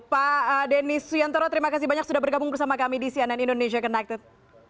pak denny suyantoro terima kasih banyak sudah bergabung bersama kami di cnn indonesia connected